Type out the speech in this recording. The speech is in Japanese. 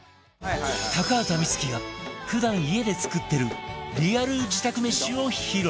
高畑充希が普段家で作ってるリアル自宅メシを披露